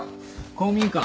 公民館。